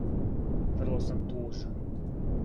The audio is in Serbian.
Врло сам тужан.